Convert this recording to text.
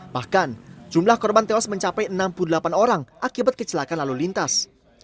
bahkan jumlah korban tewas mencapai enam puluh delapan orang akibat kecelakaan lalu lintas